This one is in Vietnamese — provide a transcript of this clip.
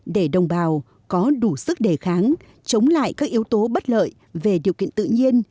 để đồng bào có đủ sức đề kháng chống lại các yếu tố bất lợi về điều kiện tự nhiên